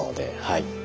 はい。